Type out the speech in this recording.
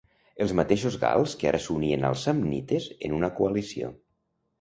Els mateixos gals que ara s'unien als samnites en una coalició.